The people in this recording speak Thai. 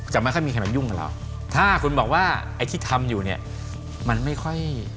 ไม่ค่อยมีใครมายุ่งกับเราถ้าคุณบอกว่าไอ้ที่ทำอยู่เนี่ยมันไม่ค่อย